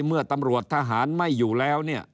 เมื่อตำรวจทหารไม่อยู่แล้วเนี่ย